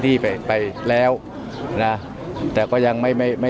ตราบใดที่ตนยังเป็นนายกอยู่